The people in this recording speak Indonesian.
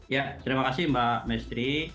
ya terima kasih mbak mestri